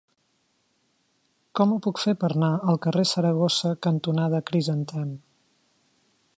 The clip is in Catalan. Com ho puc fer per anar al carrer Saragossa cantonada Crisantem?